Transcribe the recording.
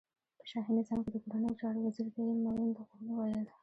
په شاهی نظام کی د کورنیو چارو وزیر ته یی مین د غرونو ویل.